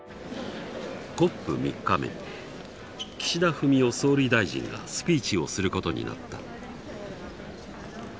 岸田文雄総理大臣がスピーチをすることになった。